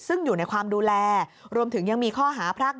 ซึ่งอยู่ในความดูแลรวมถึงยังมีข้อหาพราก